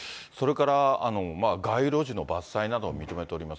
それから街路樹の伐採なども認めております。